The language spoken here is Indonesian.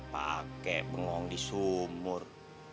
pake bengong di sumur